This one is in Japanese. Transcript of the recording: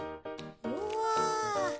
うわ。